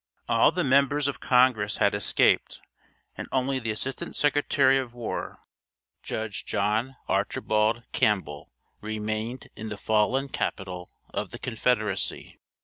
All the members of Congress had escaped, and only the Assistant Secretary of War, Judge John Archibald Campbell, remained in the fallen capital of the Confederacy.